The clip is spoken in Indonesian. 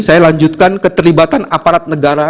saya lanjutkan keterlibatan aparat negara